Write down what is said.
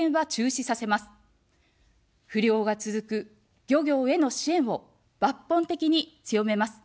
不漁が続く漁業への支援を抜本的に強めます。